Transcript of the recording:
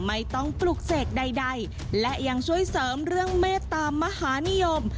ไม่ต้องปลุกเสกใดและยังช่วยเสริมเรื่องเมตตามหานิยม